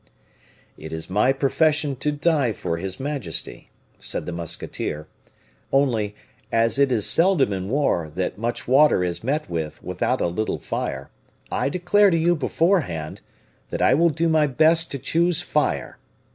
"It is my profession to die for his majesty," said the musketeer. "Only, as it is seldom in war that much water is met with without a little fire, I declare to you beforehand, that I will do my best to choose fire.